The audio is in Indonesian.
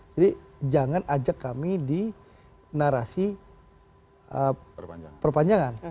jadi jangan ajak kami di narasi perpanjangan